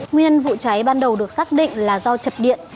nguyên vụ cháy ban đầu được xác định là do chập điện